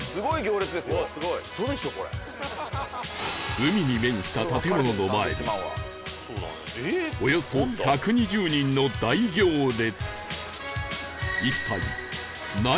海に面した建物の前にはおよそ１２０人の大行列